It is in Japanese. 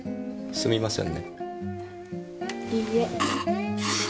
すみません。